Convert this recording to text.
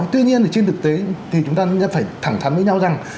tuy nhiên trên thực tế thì chúng ta phải thẳng thắn với nhau rằng